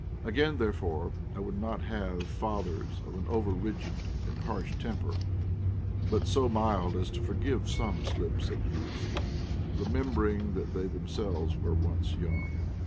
Again therefore I would not have fathers of an over rigid and harsh temper, but so mild as to forgive some slips of youth, remembering that they themselves were once young.